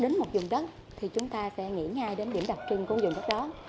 đến một dùng đất thì chúng ta sẽ nghĩ ngay đến điểm đặc trưng của dùng đất đó